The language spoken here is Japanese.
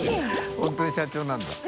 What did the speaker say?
本当に社長なんだ。